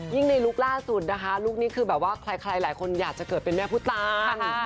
ในลุคล่าสุดนะคะลุคนี้คือแบบว่าใครหลายคนอยากจะเกิดเป็นแม่ผู้ตาน